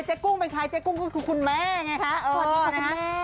เจ๊กุ้งเป็นใครเจ๊กุ้งคือคุณแม่ไงคะ